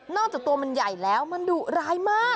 จากตัวมันใหญ่แล้วมันดุร้ายมาก